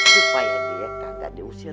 supaya dia gak diusir